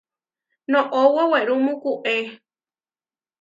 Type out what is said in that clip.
Noʼó wewerúmu kuúe.